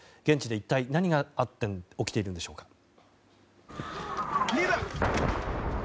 現地で一体何が起きているんでしょうか。